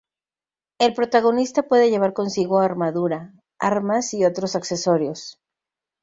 El protagonista puede llevar consigo armadura, armas y otros accesorios.